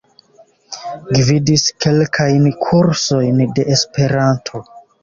Gvidis kelkajn kursojn de Esperanto.